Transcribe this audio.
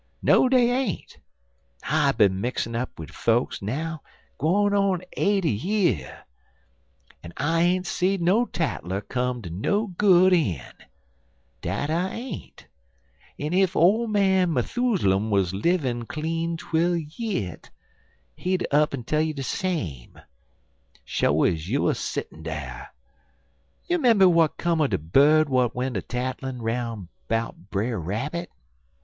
No, dey ain't. I bin mixin' up wid fokes now gwine on eighty year, en I ain't seed no tattler come ter no good een'. Dat I ain't. En ef ole man M'thoozlum wuz livin' clean twel yit, he'd up'n tell you de same. Sho ez you er settin' dar. You 'member w'at 'come er de bird w'at went tattlin' 'roun' 'bout Brer Rabbit?"